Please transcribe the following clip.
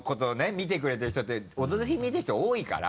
見てくれてる人って「オドぜひ」見てる人多いから。